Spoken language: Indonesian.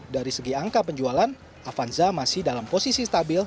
dari segi angka penjualan avanza masih dalam posisi stabil